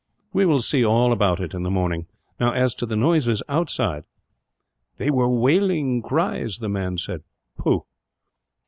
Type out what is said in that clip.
We will see all about it, in the morning. "Now, as to the noises outside." "They were wailing cries," the man said. "Pooh!